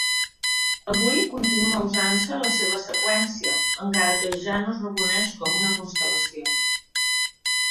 Avui continua usant-se la seva seqüència, encara que ja no es reconeix com una constel·lació.